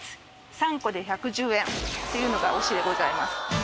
３個で１１０円っていうのが推しでございます。